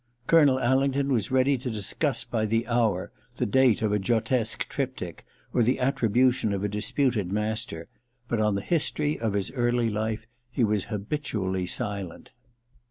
Colonel Alingdon was ready to discuss by the hour the date of a Giottesque triptvch, or the attribution of a dis puted master ; but on the history of his early life he was habitually silent.